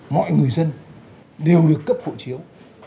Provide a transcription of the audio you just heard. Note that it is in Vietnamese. mọi người dân đều được cấp hộ chiếu